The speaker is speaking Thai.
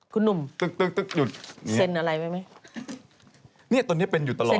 คุณหนุ่มเส้นอะไรไหมนี่ตัวนี้เป็นอยู่ตลอด